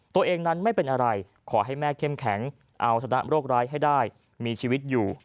ตัวเองนั้นไม่เป็นอะไรขอให้แม่เข้มแข็งเอาชนะโรคร้ายให้ได้มีชีวิตอยู่